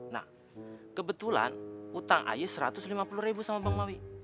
nah kebetulan utang ayah satu ratus lima puluh ribu sama bang mawi